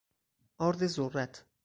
آرد ذرت